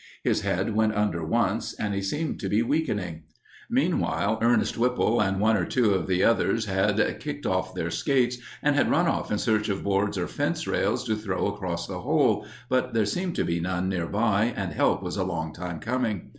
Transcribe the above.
His head went under once, and he seemed to be weakening. Meanwhile Ernest Whipple and one or two of the others had kicked off their skates and had run off in search of boards or fence rails to throw across the hole, but there seemed to be none near by and help was a long time coming.